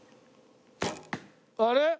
あれ？